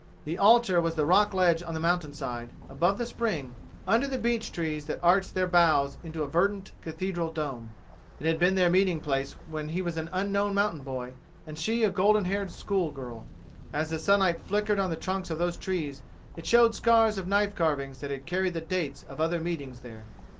The altar was the rock ledge on the mountainside, above the spring, under the beech trees that arched their boughs into a verdant cathedral dome. It had been their meeting place when he was an unknown mountain boy and she a golden haired school girl. As the sunlight flickered on the trunks of those trees it showed scars of knife carvings that carried the dates of other meetings there.